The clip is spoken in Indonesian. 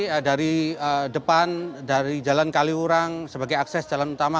ini dari depan dari jalan kaliurang sebagai akses jalan utama